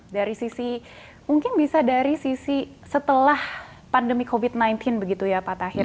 dari sisi mungkin bisa dari sisi setelah pandemi covid sembilan belas begitu ya pak tahir